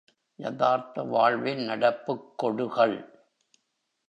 யதார்த்த வாழ்வின் நடப்புக் கொடுகள்!